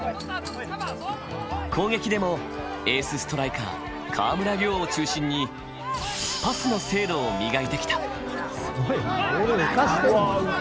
攻撃でも、エースストライカー川村怜を中心にパスの精度を磨いてきた。